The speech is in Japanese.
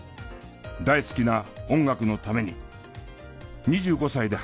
大好きな音楽のために！